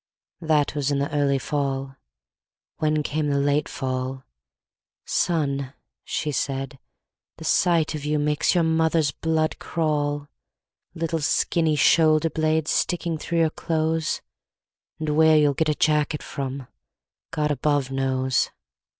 That was in the early fall. When came the late fall, "Son," she said, "the sight of you Makes your mother's blood crawl,– "Little skinny shoulder blades Sticking through your clothes! And where you'll get a jacket from God above knows.